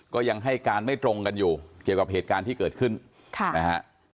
ก็ยังให้การไม่ตรงกันอยู่เกี่ยวกับเหตุการณ์ที่เกิดขึ้นค่ะนะฮะ